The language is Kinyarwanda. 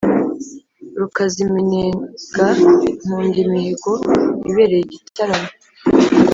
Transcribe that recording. rukaza iminega nkunda imihigo ibereye igitaramo